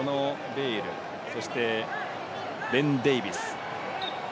ベイル、そしてベン・デービス。